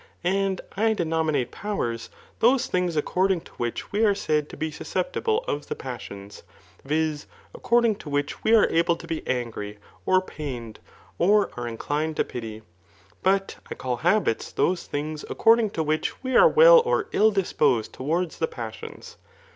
And I denominate powers, those th^igs according to which we are said to be susceptible pf ibp passions; viz. according to which we are able to be angry, or pained, or are inclined to pit]f. But I call habits those diings according to which we are well or ill disposed towards the passions.